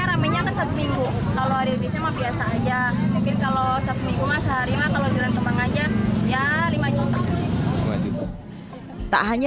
aja mungkin kalau satu minggu masa hari mata wajaran kebang ajar ya lima juta tak hanya